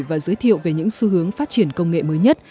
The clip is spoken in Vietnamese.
và giới thiệu về những xu hướng phát triển công nghệ mới nhất